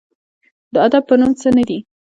د ادب په نوم څه نه دي